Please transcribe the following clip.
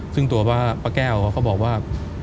ซึ่งตัวปะแก้วก็บอกว่า